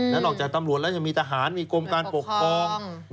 นั่นหลังจากตำรวจแล้วจะมีทหารมีกรมการปกครอง